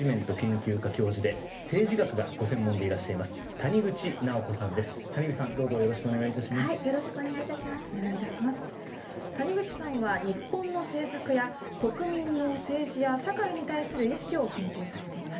谷口さんは、日本の政策や国民の政治や社会に対する意識を研究されています。